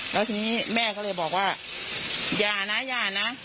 แล้วทีนี้แม่ก็เลยบอกว่าอย่านะอย่านะ